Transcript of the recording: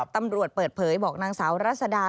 ตำรวจเปิดเผยบอกนางสาวรัศดา